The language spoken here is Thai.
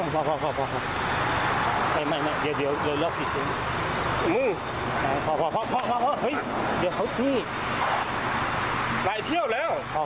พอเดี๋ยวเขา